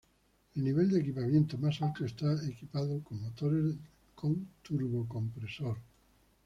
El nivel de equipamiento más alto estaba equipado con motores con turbocompresor.